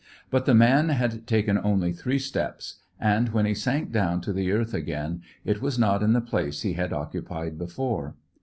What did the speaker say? But the man had taken only three steps, and when he sank down to the earth again it was not in the place he had occupied before.